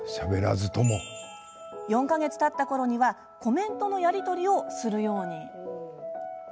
４か月たったころにはコメントのやり取りをするように。